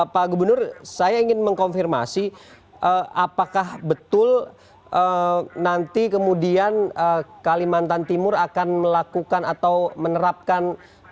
pak gubernur saya ingin mengkonfirmasi apakah betul nanti kemudian kalimantan timur akan melakukan atau menerapkan